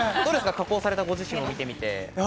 加工されたご自身を見てみて。